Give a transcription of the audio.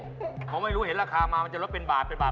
เขาไม่รู้เห็นราคามามันจะลดเป็นบาทเป็นบาท